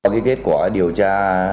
kết quả điều tra